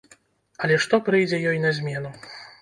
Але што прыйдзе ёй на змену?